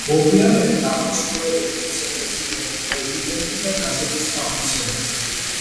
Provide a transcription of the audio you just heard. მოგვიანებით აღმასრულებელი ვიცე-პრეზიდენტი, პრეზიდენტი და გაზეთის გამომცემელი.